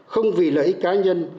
không vì lợi ích cá nhân